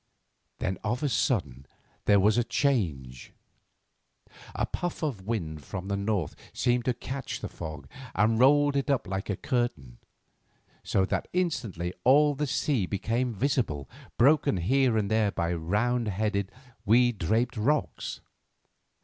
Then of a sudden there was a change. A puff of wind from the north seemed to catch the fog and roll it up like a curtain, so that instantly all the sea became visible, broken here and there by round headed, weed draped rocks.